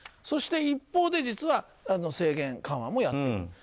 そして一方で実は、制限緩和もやっている。